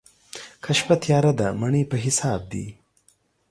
که شپه تياره ده، مڼې په حساب دي.